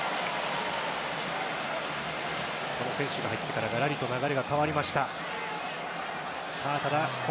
この選手が入ってからがらりと流れが変わりました。